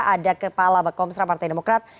ada kepala bakomsra partai demokrat